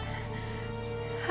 aku tidak bisa